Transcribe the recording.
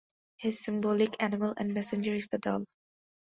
His symbolic animal and messenger is the dove.